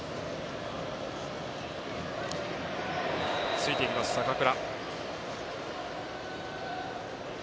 ついていきます、坂倉。